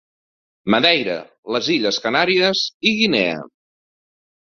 Madeira, les Illes Canàries i Guinea.